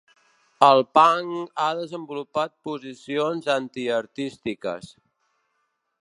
El Punk ha desenvolupat posicions anti-artístiques.